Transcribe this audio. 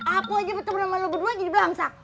apoi aja bertemu sama lu berdua jadi bangsa